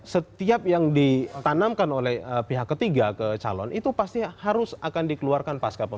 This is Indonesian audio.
setiap yang ditanamkan oleh pihak ketiga ke calon itu pasti harus akan dikeluarkan pasca pemilu